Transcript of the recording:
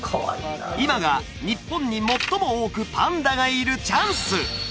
今が日本に最も多くパンダがいるチャンス！